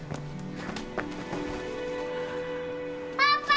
パパ！